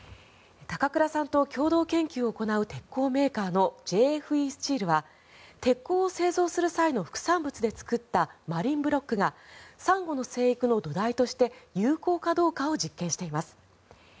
高倉さんと共同研究を行う鉄鋼メーカーのＪＦＥスチールは鉄鋼を製造する際の副産物で作ったマリンブロックがサンゴの生育の土台として有効かどうかを実験しています。